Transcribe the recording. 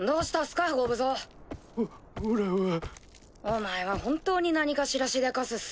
お前は本当に何かしらしでかすっすね。